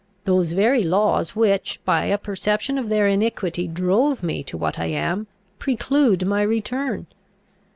Those very laws which, by a perception of their iniquity, drove me to what I am, preclude my return.